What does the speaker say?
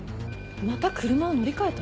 また車を乗り換えた？